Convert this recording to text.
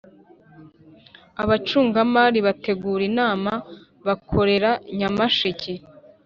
abacungamari bategura inama bakorera nyamasheke